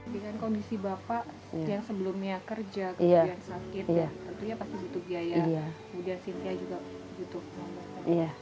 dengan kondisi bapak yang sebelumnya kerja iya sakit ya